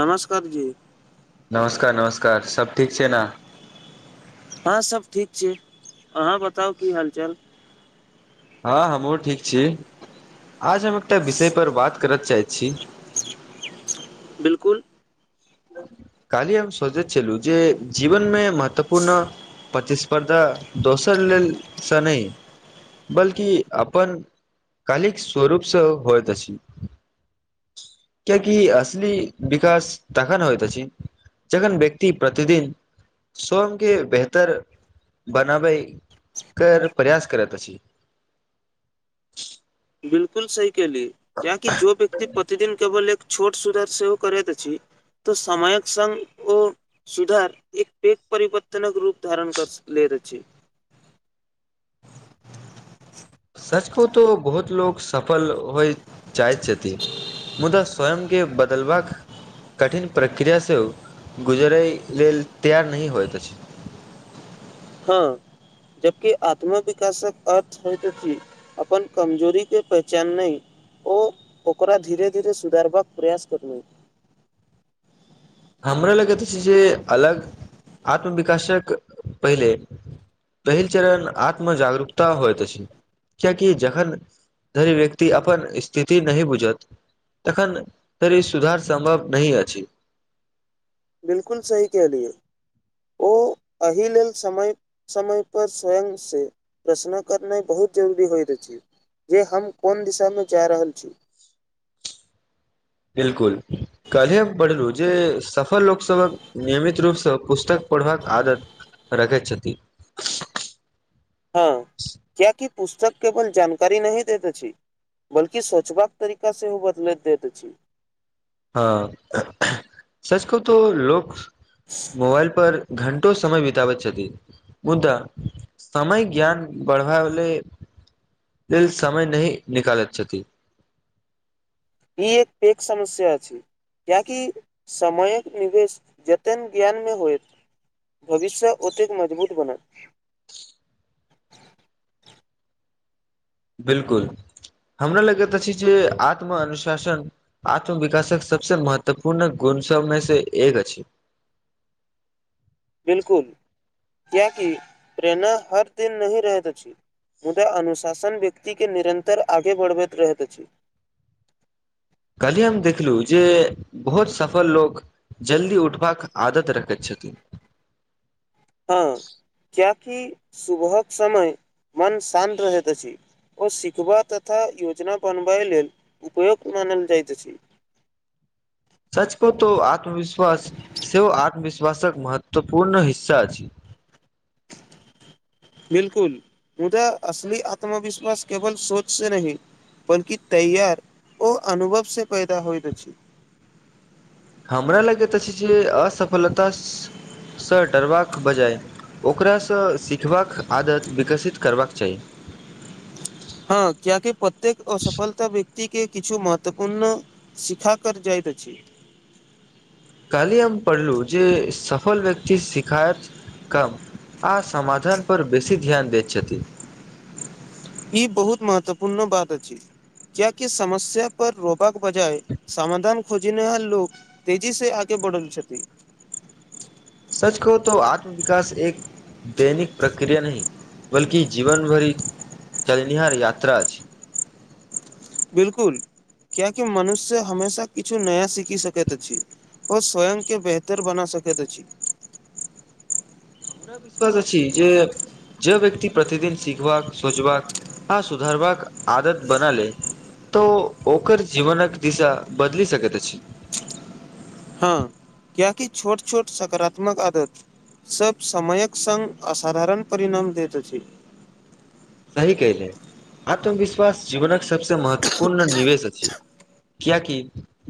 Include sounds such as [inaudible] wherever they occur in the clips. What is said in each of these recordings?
नमस्कार जी नमस्कार नमस्कार सब ठीक छै ने हँ सब ठीक छै अहाँ बताउ की हाल चाल हँ हमहूँ ठीक छी आज हम एकटा विषय पर बात करय चाहैत छी [inaudible] बिलकुल कल्हि हम सोचैत छलूँ जे जीवनमे महत्वपूर्ण प्रतिस्पर्धा दोसर लेल सँ नहि बल्कि अपन कालिक स्वरूपसँ होयतस अछि किएकि असली विकास तखन होैयत अछि जखन व्यक्ति प्रतिदिन स्वयं के बेहतर बनाबइ कर प्रयास करत अछि बिलकुल सही कहली किएकि जो व्यक्ति प्रतिदिन केवल एक छोट सुधार सेहो करैत अछि तऽ समयक संग ओ सुधार एक पेक परिवर्तनक रूप धारण कर सकलै रछी [inaudible] सच कहु तो बहुत लोग सफल होइत चाहै छथिन मुदा स्वयं के बदलबाक कठिन प्रक्रिया से उ गुजरै लेल तैयार नहि होइत अछि हँ जबकि आत्मविकासक अर्थ होयत अछि अपन कमजोरी के पहचान नाय ओ ओकरा धीरे धीरे सुधारबाक प्रयास करू [inaudible] हमरा लगैत अछि जे अलग आत्मविकाशक पहिले पहिल चरण आत्मजागरूकता हौत अछि कियकि जखन तहि व्यक्ति अपन स्थिति नहि बुझत तखन धरि ई सुधार सम्भव नहि अछि बिलकु सही कहलियै ओ [inaudible] एहि लेल समय समयपर स्वयंसँ प्रश्न करनाइ बहुत जरूरी हौत अछि जे हम कोन दिशामे जा रहल छी बिलकुल कल्हे पढ़लू जे सफर लोक क नियमित रूपसँ पुस्तक पढ़बाक आदत रखैत छथि [inaudible] हँ क्या की पुस्तक केवल जानकारी नहि दैत अछि बल्कि सोचबाक तरीका सेहो ओ बदलैत दैत अछि हँ सच कहु त लोक मोबाइल पर घण्टो समय बिताबैत छथि मुदा समय ज्ञान बढ़ब ले लल समय नहि निकालैत छथि ई एक समस्या अछि कियाकि समयक निवेश जतन ज्ञानमे होयत भविष्य ओतेक मजबूत बनत [inaudible] बिलकुल हमरा लगैत अछि जे आत्मअनुशासन आत्मविकासक सबस महत्वपूर्ण गुण सभमे से एक अछि बिलकुल किये की प्रेरणा हर दिन नहि रहैत अछी मुदा अनुशासन व्यक्तिके निरन्तर आगे बढ़बैत रहैत अछि कल्ही हम देखलौ जे बहुत सफल लोक जल्दी उठबाक आदत रखैत छथि कि सुबहक समय मन शान्त रहैत अछि ओ सिखबा तथा योजना बनबै लेल उपयोक्त मानल जाइत अछि [inaudible] सच कहू तऽ आत्मविश्वास सेहो आत्मविश्वासक महत्वपूर्ण हिस्सा अछि [inaudible] बिलकुल मुदा असली आत्मविश्वास केवल सोच से नहि बल्कि तैयार ओ अनुभव से पैदा होइत अछि हमरा लगैतऽ अछि जे असफलता सँ डरबाक बजाय ओकरासँ सिखबाक आदत विकसित करबाक चाही [inaudible] हँ कियाकि प्रत्येक असफलता व्यक्ति के किछु महत्वपूर्ण सिखाकर जाइत अछि काली हम पढ़लू जे सफल व्यक्ति शिखायत कम आ समाधान पर बेसी ध्यान देैत छती ई बहुत महत्वपूर्ण बात अछि क्या कि समस्या पर रोप क बजाय समाधान खोजनेहार लोक तेजीसँ आगे बढ़ल छथि सच कहो तो आत्मविकास एक दैनिक प्रक्रिया नही बल्कि जीवनभरि चलनिहार यात्रा अछै बिलकुल क्याकि मनुष्य हमेशा किछु नया सीखि सकैत अछि ओ स्वयं के बेहतर बना स सकैत अछी [inaudible] हमरा विश्वास अछि जे जे व्यक्ति प्रतिदिन सिखबाक सोचबाक आ सुधरबाक आदत बना लै त ओकर जीवनक दिशा बदलि सकैत अछि हँ क्या की छोट छोट सकारात्मक आदत सब समयक संग असाधारण परिणाम दैत अछि [inaudible] सही कहले आत्मविश्वास जीवनक सबसे महत्वपूर्ण निवेश अछि कियाकि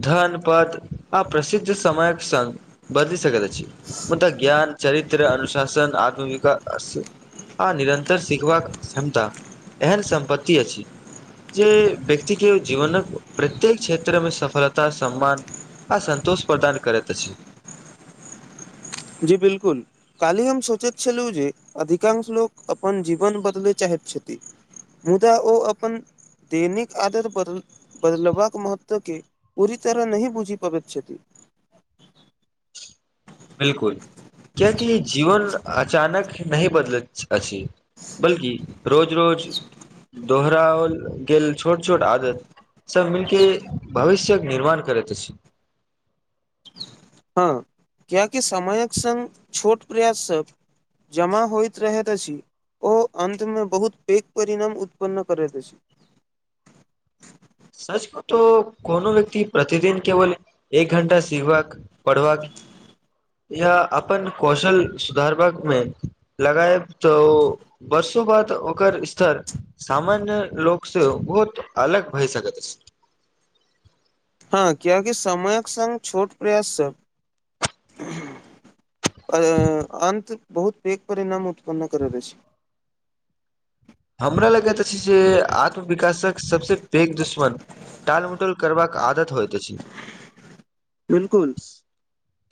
धन पथ आ प्रसिद्ध समयक संघ बदल सकैत अछि मुदा ज्ञान चरित्र अनुशासन आत्मविकास आ निरन्तर शिखबाक क्षमता एहन सम्पत्ति अछि जे व्यक्ति के जीवनक प्रत्येक क्षेत्रमे सफलता सम्मान आ संतोष प्रदान करैत अछि जी बिलकुल काल्हि हम सोचैत छलहुँ जे अधिकांश लोक अपन जीवन बदले चाहैत छथि मुदा ओ अपन दैनिक आदत बद बदलबाक महत्व के पूरी तरह नहि बूझि पाबैत छथि [inaudible] बिलकुल क्याकी जीवन अचानक नहि बदलैत अछि बल्कि रोज रोज दोहराओल गेल छोट छोट आदत सभ मिलके भविष्यके निर्माण करैत अछि हँ क्याकि समयक संग छोट प्रयास सब जमा होइत रहैत अछि ओ अन्तमे बहुत पैघ परिणाम उत्पन्न करैत अछि [inaudible] सच को तो कोनो व्यक्ति प्रतिदिन केवल एक घण्टा सिखबाक पढ़बाक [inaudible] या अपन कौशल सुधारबाकमे लगाए तऽ वर्ष बात ओकर स्तर सामान्य लोक से बहुत अलग भइ सकत अछि हँ कियाकि समयक संग छोट प्रयास सब अंत बहुत पेघ परिणाम उत्पन्न कर रहल छै हमरा लगै तऽ छै जे आत्मविकासक सबसँ पैघ दुश्मन टालमुटल करबाक आदत होइत छी बिलकुल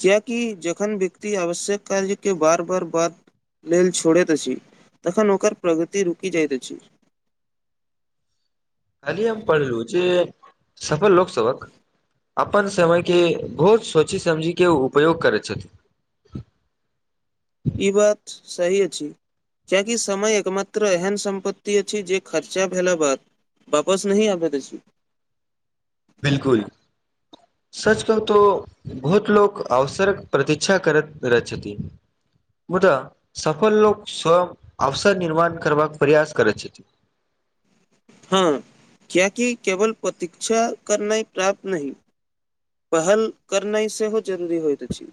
क्या कि जखन व्यक्ति आवश्यक कार्य के बार बार बाद लेल छोड़ैत अछी तखन ओकर प्रगति रुकि जाइत अछी काल्हि हम पधलू छै सफल लोक सेवक अपन समयके बहुत सोचि समझिके उपयोग करैत छथिन ह ई बात सही अछि कियाकि समय एकमात्र एहन सम्पत्ति अछि जे खर्चा भेला बाद वापस नहि आबै दय छी बिलकुल सच कहु तो बहुत लोक अवसर क प्रतिक्षा करैत रह छथि मुदा सफल लोक स्वयं अवसर निर्माण करबाक प्रयास करैत छथि [inaudible] हँ क्यकि केवल प्रतीक्षा करनाइ प्राप्त नही पहल करनाइ सेहो जरूरी होइत अछि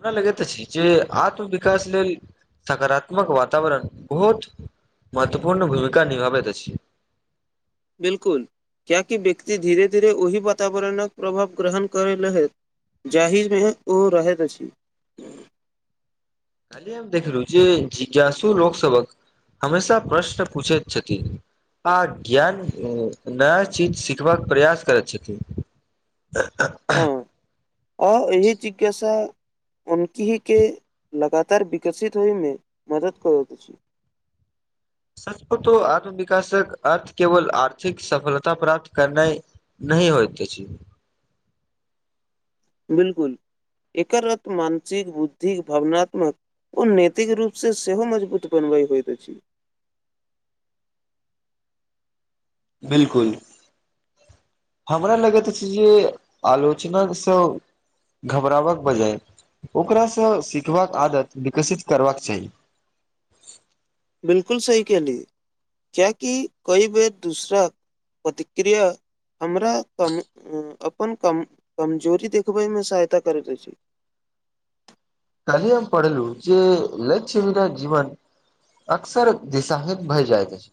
हमरा लगैत त अछि जे आत्मविकास लेल सकारात्मक वातावरण बहुत महत्वपूर्ण भूमिका निभाबैत अछी बिलकुल किया कि व्यक्ति धीरे धीरे ओहि वातावरणक प्रभाव ग्रहण करै लैहत जाहिर मे ओ रहैत अछि काली हम देखलु जे जिज्ञासु लोक सेवक हमेशा प्रश्न पूछे छथि आ ज्ञान नया चीज सिखबाक प्रयास करैत छथि हँ आ एहि चिकि यासा उनकी ही के लगातार विकसित होय में मदद करत अछि [inaudible] सचपो तो आत्मविकासक अर्थ केवल आर्थिक सफलता प्राप्त करना नय नय होयत अछी बिलकुल एकर रथ मानसिक बुद्धिक भवनात्मक ओ नैतिक रूप से सेहो मजबूत बन भ होइत छी [inaudible] बिलकुल हमरा लगैत अछि जे आलोचन सँ घबराबक बजाय ओकरा सँ सिखबाक आदत विकसित करबाक चाही बिलकुल सही कहली क्य क कई बेर दूसरा प्रतिक्रिया हमरा त अपन कम कमजोरी देखबयमे सहायता करैत अछि कालही हम पढ़ेलू जे लक्ष्य मेरा जीवन अकसर दिशाहित भय जाइत अछि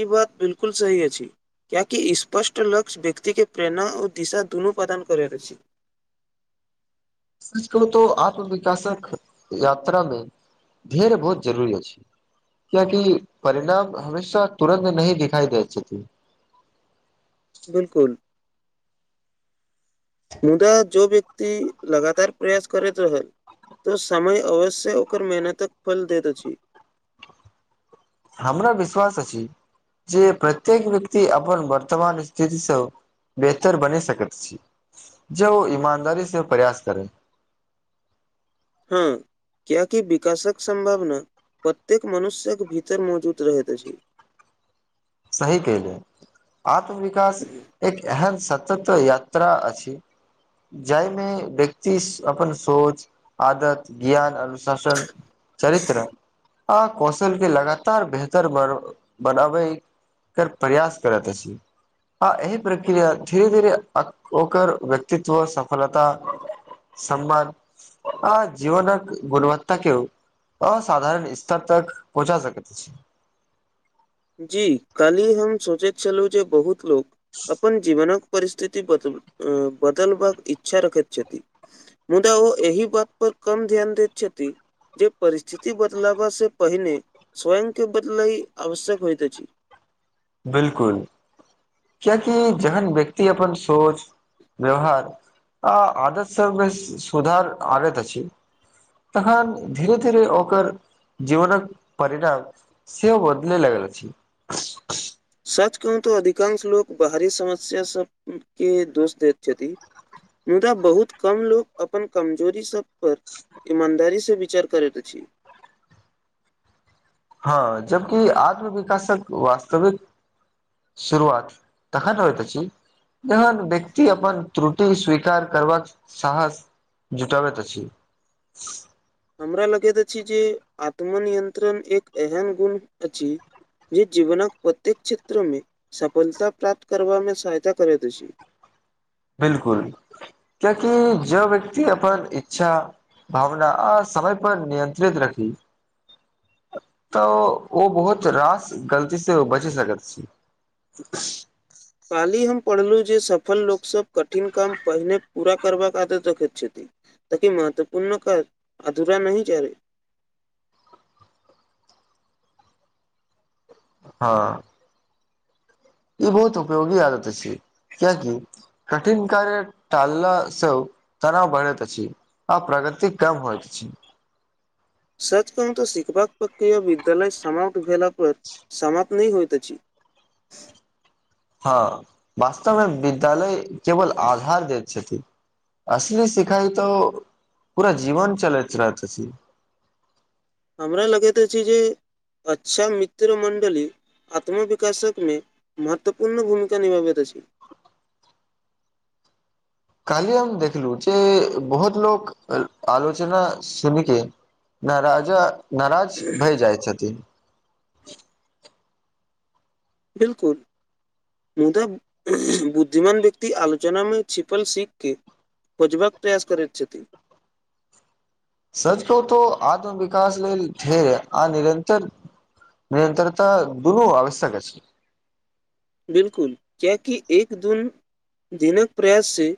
ई बात बिल्कुल सही अछि कियाकि स्पष्ट लक्ष्य व्यक्ति के प्रेरणा आ दिशा दुनू प्रदान करैत अछि सच कहू तो आत्मविकासक यात्रा मे ढेर बहुत जरूरी अछि कियाकि परिणाम हमेशा तुरन्त नही दिखाई दैत अछि बिल्कुल [unintelligible] मुदा जो व्यक्ति लगातार प्रयास करैत रहल तऽ समय अवश्य ओकर मेहनतक फल दैत अछि हमरा विश्वास अछि जे प्रत्येक व्यक्ति अपन वर्तमान स्थिति सँ बेहतर बनी सकैत छी जब ओ ईमानदारी से प्रयास करे [unintelligible] हँ कियाकि विकासक सम्भावना प्रत्येक मनुष्यक भीतर मौजूद रहैत अछि सही क लिय आत्मविकास एक एहम सतत यात्रा अछि जायमे व्यक्ति अपन सोच आदत ज्ञान अनुशासन चरित्र आ कौशल के लगातार बेहतर ब बनाबै कर प्रयास करत अछि आ एहि प्रक्रिया धीरे धीरे ओकर व्यक्तित्व सफलता सम्मान आ जीवनक गुणवत्ता केओ असाधारण स्तर तक पहुँचा सकैत छी जी काल्हि हम सोचैत छलौ जे बहुत लोक अपन जीवनक परिस्थिति बद बदलबाक इच्छा रखैत छथि मुदा ओ एहि बात पर कम ध्यान देत छथि जे परिस्थिति बदलाबा से पहिने स्वयं के बदलई आवश्यक होयत अछि बिल्कुल कियाकि जेहन व्यक्ति अपन सोच व्यवहार आ आदत स बेसी सुधार आवैत अछि तखन धीरे धीरे ओकर जीवनक परिणाम सेहो बदल लगै अछि सच कहू तऽ अधिकांश लोक बाहरी समस्या सबके दोष दैत छथि मुदा बहुत कम लोक अपन कमजोरी सब पर ईमानदारी से विचार करैत अछि हँ जबकि आत्म विकासक वास्तविक शुरुआत तखन हौइत अछि जहन व्यक्ति अपन त्रुटि स्वीकार करबाक साहस जुटा बैत अछि हमरा लगैत अछि जे आत्मनियंत्रण एक एहन गुण अछि जे जीवनक प्रत्येक क्षेत्रमें सफलता प्राप्त करबा मे सहायता करैत अछि। बिल्कुल कियाकि ज व्यक्ति अपन इच्छा भावना आ समय पर नियंत्रित रखी तऽ ओ बहुत रास गलती से बचि सकैत छी [unintelligible] काल्हि हम पढ़लहुँ जे सफल लोक सब कठिन काम पहिने पूरा करबाक आदत रखैत छथि लेकि महत्वपूर्ण कर अधूरा न च [unintelligible] हँ ई बहुत उपयोगी आदत छै। किया कठिन कार्य तालला स तनाव बढ़ैत अछि तति [inaudible] कम हो छै। सच कहूं तऽ शखबाक विद्यालय समाप्त भेलला पर समााप्त नहि होइत अछि [inaudible] हँ वास्तवमे विद्यालय केवल आधार दैत छथिन असली सिखाइ तऽ पूरा जीवन चलैत रहत छी हमरा लगैत अछि जे अच्छा मित्र मण्डली आत्म विकासक मे महत्वपूर्ण भूमिका निभाबैत अछि [inaudible] काली हम देखलु जे बहुत लोक आलोचना सुनिके न राजा नाराज भए जाइ छथिन बिल्कुल मुदा बुद्धिमान व्यक्ति आलोचनामे छिपल सिखके खोजबाक प्रयास करैत छथि सच कहूं त आत्म विकास लेल आ निरन्तर निरंतरता दुनू आवश्यक अछि। बिल्कुल क्य कि एक दून धिनक प्रयास से